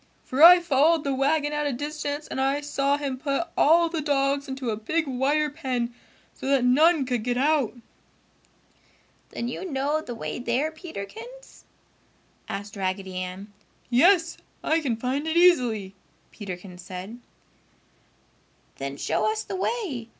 For I followed the wagon at a distance and I saw him put all the dogs into a big wire pen, so that none could get out!" "Then you know the way there, Peterkins?" asked Raggedy Ann. "Yes, I can find it easily," Peterkins said. "Then show us the way!"